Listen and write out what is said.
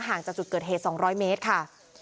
จากจุดเกิดเหตุ๒๐๐เมตรค่ะ